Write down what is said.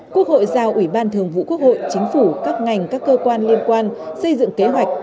quốc hội giao ủy ban thường vụ quốc hội chính phủ các ngành các cơ quan liên quan xây dựng kế hoạch